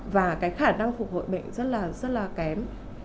và khả năng phục hội bệnh rất là kém